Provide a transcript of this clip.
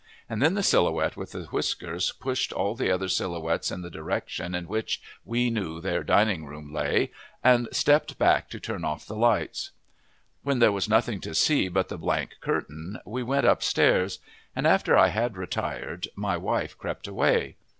And then the Silhouette with the whiskers pushed all the other Silhouettes in the direction in which we knew their dining room lay, and stepped back to turn off the lights. When there was nothing to see but the blank curtain, we went upstairs; and after I had retired my wife crept away.